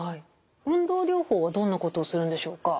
運動療法はどんなことをするんでしょうか？